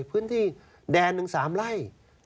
พื้นที่แดนหนึ่ง๓ไร่